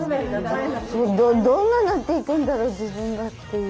どんななっていくんだろう自分がっていう。